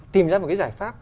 tìm ra một cái giải pháp